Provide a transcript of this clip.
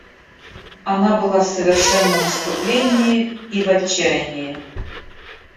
Она была в совершенном исступлении и – в отчаянии.